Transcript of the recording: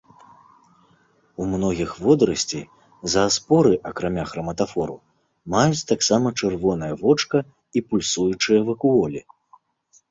У многіх водарасцей зааспоры, акрамя храматафору, маюць таксама чырвонае вочка і пульсуючыя вакуолі.